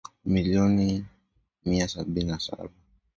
milioni mia sabini na saba